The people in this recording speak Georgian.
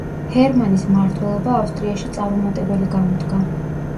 ჰერმანის მმართველობა ავსტრიაში წარუმატებელი გამოდგა.